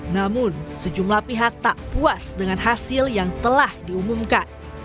namun sejumlah pihak tak puas dengan hasil yang telah diumumkan